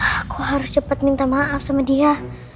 aku harus cepat minta maaf sama dia